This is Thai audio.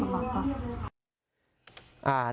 ลำบากครับ